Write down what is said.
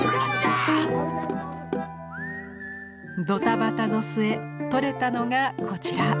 ドタバタの末撮れたのがこちら。